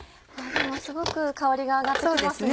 すごく香りが上がって来ますね。